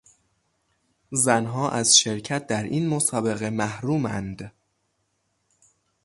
زنها از شرکت در این مسابقه محرومند.